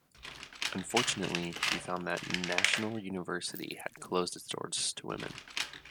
Unfortunately, she found that National University had closed its doors to women.